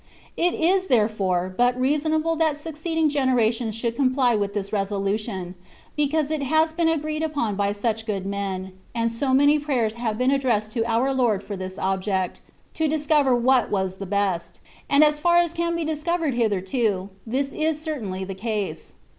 It is, therefore, but reasonable that succeeding generations should comply with this resolution, because it ha3 been agreed upon by such good men, and so many prayers have been addressed to our Lord for this object, to discover what was the best ; and as far as can be discovered hitherto, this is certainly the case.